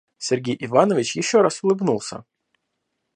Сергей Иванович еще раз улыбнулся.